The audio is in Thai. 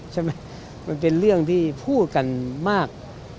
มันเป็นเรื่องที่พูดกันมาก